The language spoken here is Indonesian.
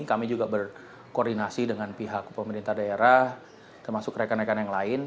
kami juga berkoordinasi dengan pihak pemerintah daerah termasuk rekan rekan yang lain